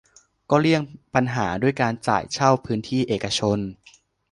ก็เลี่ยงปัญหาด้วยการจ่ายเช่าพื้นที่เอกชน